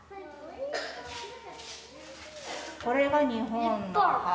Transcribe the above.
これが日本の旗。